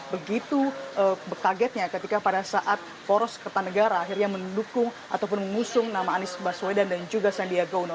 begitu kagetnya ketika pada saat poros kertanegara akhirnya mendukung ataupun mengusung nama anies baswedan dan juga sandiaga uno